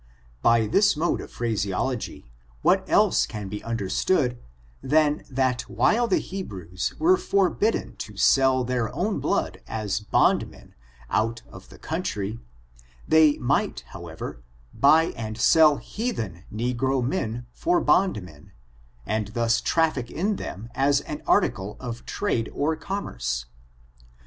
By this mode of phraseology, what else can be un derstood than that while the Hebrews were forbidden to sell their own blood as band^nen out of the coun« tryj they might, however, buy and sell heathen no* gro men for bond men, and thus traffic in them as an article of trade or commerce.